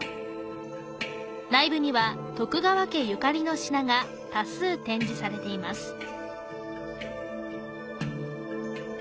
内部には徳川家ゆかりの品が多数展示されています。